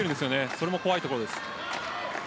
それも怖いところです。